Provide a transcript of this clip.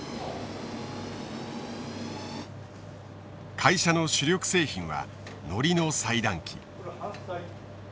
会社の主力製品は海苔の裁断機。